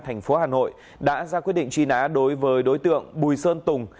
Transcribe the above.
thành phố hà nội đã ra quyết định truy nã đối với đối tượng bùi sơn tùng